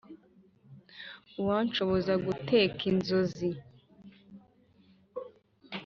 Uwanshoboza guteka inzonzi